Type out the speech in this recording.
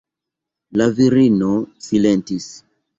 La virino silentis.